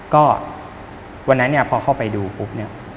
ก็วันนั้นพอเข้าไปดูปุ๊บ